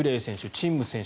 チン・ム選手